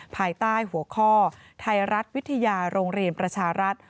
ภายใต้หัวข้อไทยรัฐวิทยาโรงเรียนประชารัฐ